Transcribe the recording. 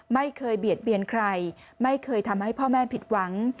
เบียดเบียนใครไม่เคยทำให้พ่อแม่ผิดหวัง